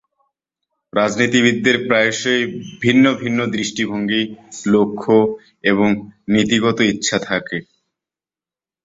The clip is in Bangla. রাজনীতিবিদদের প্রায়শই ভিন্ন ভিন্ন দৃষ্টিভঙ্গি, লক্ষ্য এবং নীতিগত ইচ্ছা থাকে।